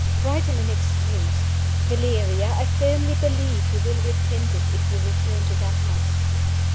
Write him an excuse. Valeria! I firmly believe you will repent it if you return to that house."